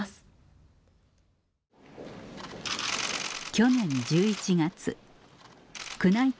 去年１１月宮内庁